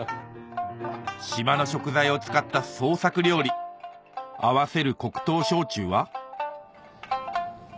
島の食材を使った創作料理合わせる黒糖焼酎は？